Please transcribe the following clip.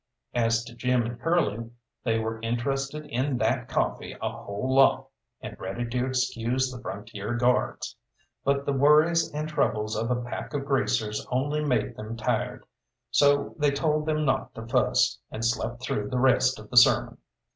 As to Jim and Curly, they were interested in that coffee a whole lot, and ready to excuse the Frontier Guards; but the worries and troubles of a pack of greasers only made them tired; so they told them not to fuss, and slept through the rest of the sermon.